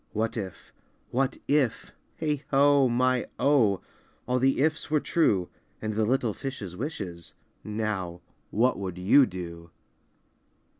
What if, what if, heigho! my oh! All the "ifs" were true, And the little fishes wishes, Now, what would you do?